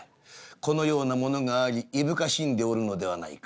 このようなものがあり訝しんでおるのではないか。